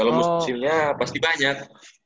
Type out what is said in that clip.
kalau musimnya pasti banyak